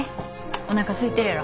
おなかすいてるやろ。